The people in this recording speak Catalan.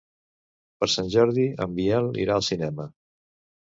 Per Sant Jordi en Biel irà al cinema.